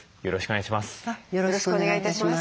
よろしくお願いします。